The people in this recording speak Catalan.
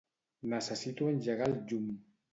Necessito engegar el llum.